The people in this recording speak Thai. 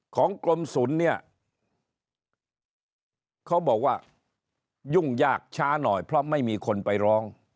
ของกรมศูนย์เนี่ยเขาบอกว่ายุ่งยากช้าหน่อยเพราะไม่มีคนไปร้อง